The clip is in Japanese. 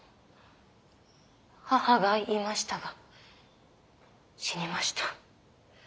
母がいましたが死にました。